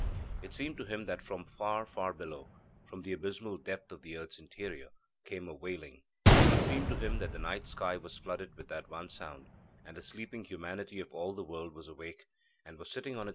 It seemed to him that from far far below from the abysmal depth of the earth's interior came a wailing. It seemed to him that the night sky was flooded with that one sound, that the sleeping humanity of all the world was awake, and was sitting on its beds, trying to listen.